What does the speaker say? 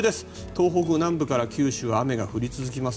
東北南部から九州は雨が降り続きます。